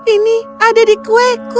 ini ada di kueku